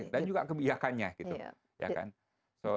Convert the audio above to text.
dan juga kebiakannya gitu